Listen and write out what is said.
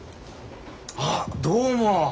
あっどうも！